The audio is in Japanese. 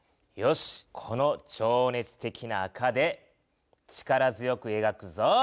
よしこの情熱的な赤で力強くえがくぞ。